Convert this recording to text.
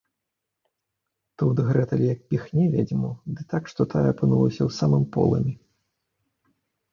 Тут Грэтэль як піхне ведзьму, ды так, што тая апынулася ў самым полымі